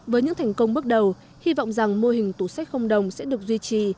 với những thành công bước đầu hy vọng rằng mô hình tủ sách không đồng sẽ được duy trì